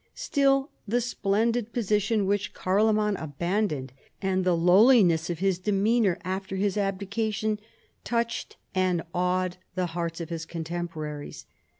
Still, the splendid position which Carlo man abandoned, and the lowliness of his demeanor after his abdication, touched and awed the hearts of his coiitempoi arics.